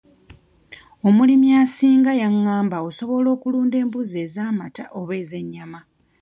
Omulimi asinga yangamba osobola okulunda embuzi ez'amata oba ez'ennyama.